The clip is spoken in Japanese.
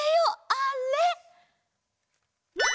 あれ！